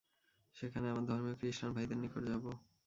সেখানে আমার ধর্মীয় খৃষ্টান ভাইদের নিকট যাব।